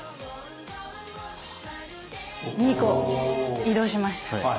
２個移動しました！